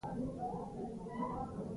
سبا ته غونډه لرو .